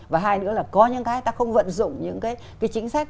và hai nữa là có những cái ta không vận dụng những cái chính sách